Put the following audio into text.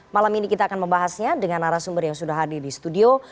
malam ini kita akan membahasnya dengan arah sumber yang sudah hadir di studio